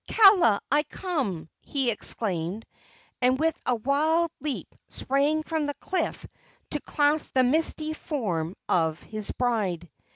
"Kaala, I come!" he exclaimed, and with a wild leap sprang from the cliff to clasp the misty form of his bride.